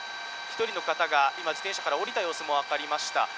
１人の方が今自転車から降りた様子もわかりました。